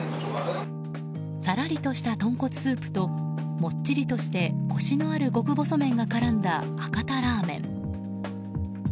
さらりとした豚骨スープともっちりとしてコシのある極細麺が絡んだ博多ラーメン。